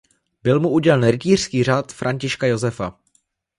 Byl mu udělen rytířský Řád Františka Josefa.